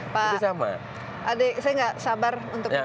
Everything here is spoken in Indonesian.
pak adik saya nggak sabar untuk naik kapalnya